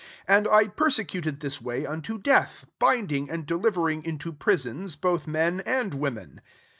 4 And I perse cuted this way unto death, binding and delivering into prisons both men and women.